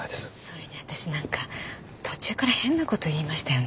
それに私何か途中から変なこと言いましたよね。